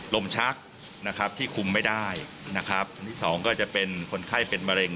โรมชักที่คุมไม่ได้อันที่๒ก็จะเป็นคนไข้เป็นมะเร็ง